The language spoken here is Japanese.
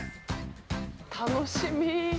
楽しみ。